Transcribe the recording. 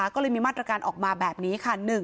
ก็เลยมีมาตรการออกมาแบบนี้ค่ะ